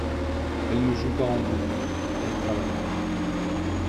Elle ne joue pas en bourse, elle travaille.